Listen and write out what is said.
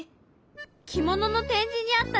着物の展示にあった布。